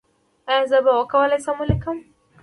ایا زه به وکولی شم ولیکم؟